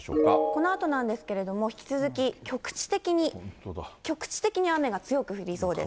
このあとなんですけれども、引き続き、局地的に、局地的に雨が強く降りそうです。